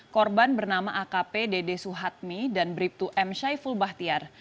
korban bernama akp dede suhatmi dan brib dua m syaiful bahtiar